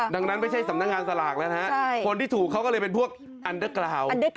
ดังนั้นไม่ใช่สำนักงานสลากแล้วนะคนที่ถูกเขาก็เลยเป็นพวกอันเดอร์กราว